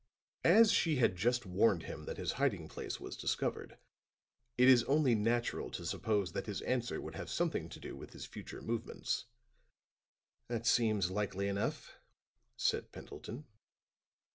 "As she had just warned him that his hiding place was discovered, it is only natural to suppose that his answer would have something to do with his future movements." "That seems likely enough," said Pendleton.